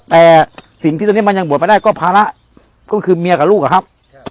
แต่สิ่งที่ตอนนี้มันยังบวชมาได้ก็ภาระก็คือเมียกับลูกอะครับ